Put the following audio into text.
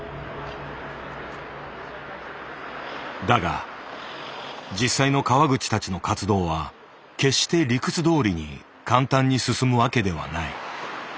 だが実際の川口たちの活動は決して理屈どおりに簡単に進むわけではない。